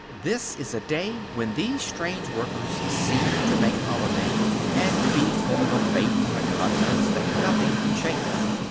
This is a day when these strange workers seem to make holiday, and to be full of a faith and a confidence that nothing can shake.